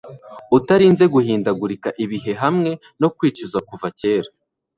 Utarinze guhindagura ibihe hamwe no kwicuza kuva kera